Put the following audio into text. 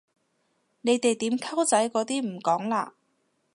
你哋點溝仔嗰啲唔講嘞？